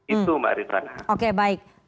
itu mbak rifana oke baik